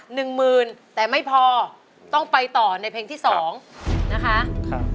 ๑หมื่นแต่ไม่พอต้องไปต่อในเพลงที่๒นะคะ